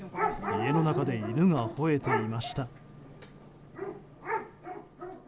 家の中で犬がほえていました。